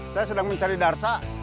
saya sedang mencari darsa